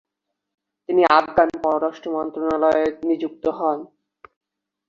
তিনি আফগান পররাষ্ট্র মন্ত্রণালয়ে নিযুক্ত হন।